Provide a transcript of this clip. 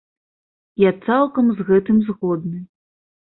Я цалкам з гэтым згодны.